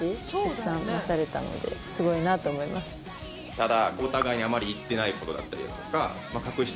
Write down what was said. ただ。